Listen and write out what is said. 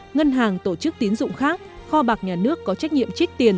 ngân hàng tổ chức tín dụng khác kho bạc nhà nước có trách nhiệm trích tiền